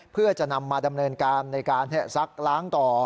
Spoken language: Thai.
เพื่อจะนำมาดำเนินการในการซักล้างต่อ